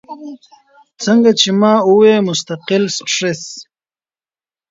څنګه چې ما اووې مستقل سټرېس ،